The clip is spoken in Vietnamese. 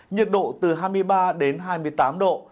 nhiệt độ từ hai mươi ba đến hai mươi tám độ